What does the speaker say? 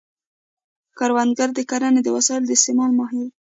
کروندګر د کرنې د وسایلو د استعمال ماهر دی